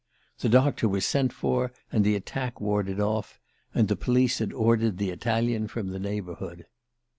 The doctor was sent for, and the attack warded off; and the police had ordered the Italian from the neighbourhood.